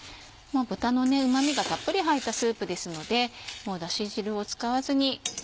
豚のうま味がたっぷり入ったスープですのでダシ汁を使わずに。